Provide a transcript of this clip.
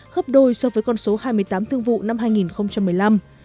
hấp đôi so với con số hai mươi tám thương vụ năm hai nghìn một mươi sáu